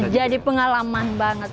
jadi pengalaman banget